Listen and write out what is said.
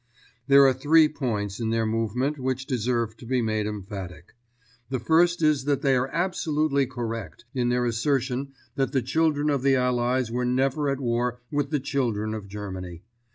There are three points in their movement which deserve to be made emphatic. The first is that they are absolutely correct in their assertion that the children of the Allies were never at war with the children of Germany.